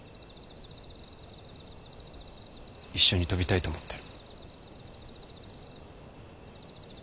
一緒に飛びたいと思ってる。